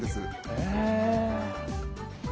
へえ。